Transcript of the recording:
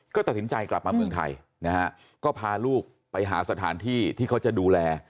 ก็ตัดสินใจกลับมาเมืองไทยนะฮะก็พาลูกไปหาสถานที่ที่เขาจะดูแล